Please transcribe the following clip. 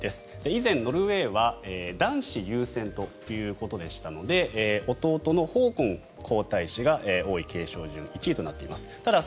以前、ノルウェーは男子優先ということでしたので弟のホーコン皇太子が王位継承順１位となっています。